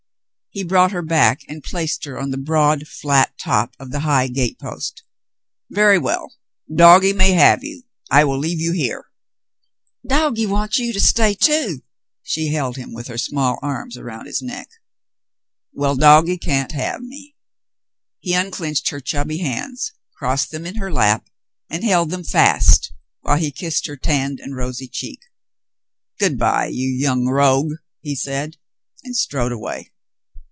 He brought her back and placed her on the broad, flat top of the high gate post. "Very well, doggie may have you. I will leave you here." 138 The Mountain Girl <(' Doggie wants you to stay, too." She held him with her small arms about his neck. "Well, doggie can't have me." He unclinched her chubby hands, crossed them in her lap, and held them fast while he kissed her tanned and rosy cheek. "Good by, you young rogue," he said, and strode away.